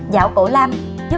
giảo cổ lam